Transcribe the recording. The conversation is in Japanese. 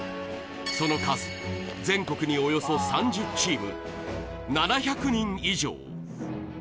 その数、全国におよそ３０チーム、７００人以上。